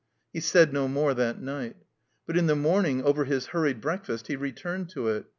He said no more that night. But in the morning, over his hiuried breakfast, he returned to it.